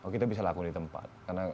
kita bisa laku di tempat